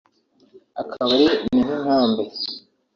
akabari na inkambi